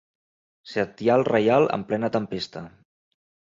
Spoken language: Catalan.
Setial reial en plena tempesta.